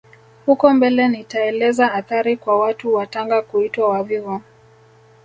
Huko mbele nitaeleza athari kwa watu wa Tanga kuitwa wavivu